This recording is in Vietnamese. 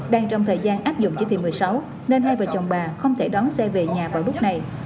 đang trong thời gian áp dụng chỉ thị một mươi sáu nên hai vợ chồng bà không thể đón xe về nhà vào lúc này